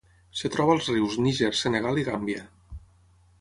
Es troba als rius Níger, Senegal i Gàmbia.